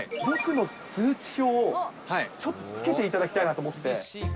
僕の通知表をちょっとつけていただきたいなと思って。